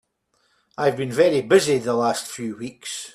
I've been very busy the last few weeks.